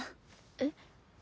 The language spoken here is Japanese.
えっ？